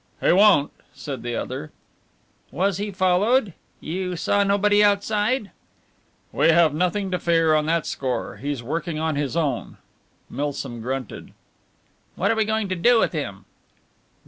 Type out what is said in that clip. "He won't," said the other. "Was he followed you saw nobody outside?" "We have nothing to fear on that score. He's working on his own." Milsom grunted. "What are we going to do with him?"